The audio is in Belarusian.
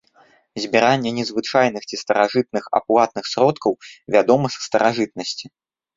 Збіранне незвычайных ці старажытных аплатных сродкаў вядома са старажытнасці.